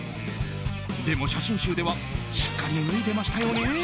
でも写真集ではしっかり脱いでましたよね。